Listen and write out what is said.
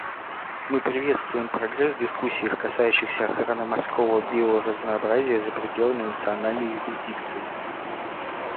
Мы приветствуем прогресс в дискуссиях, касающихся охраны морского биоразнообразия за пределами национальной юрисдикции.